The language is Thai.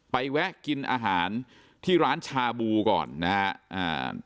ไปแวะกินอาหารที่ร้านชาบูก่อนนะครับ